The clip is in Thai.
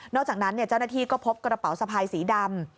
อกจากนั้นเจ้าหน้าที่ก็พบกระเป๋าสะพายสีดำ